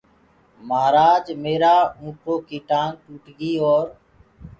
مهآرآج ميرآ اُنٚٺوڪي ٽآنٚگ ٽوٽگي اورَ